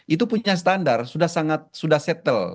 itu punya standar sudah settle